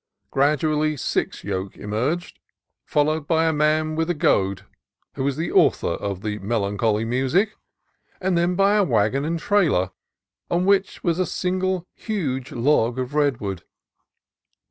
Gradually six yoke emerged, followed by a man with a goad, who was the author of the melancholy music, and then by a wagon and trailer on which was a single huge log of THE SANTA CRUZ REDWOODS 231 redwood.